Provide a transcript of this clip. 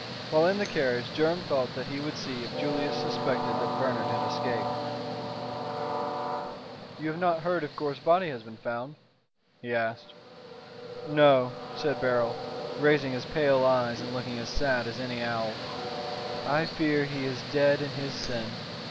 While in the carriage Durham thought he would see if Julius suspected that Bernard had escaped. "You have not heard if Gore's body has been found?" he asked. "No," said Beryl, raising his pale eyes and looking as sad as any owl. "I fear he is dead in his sin."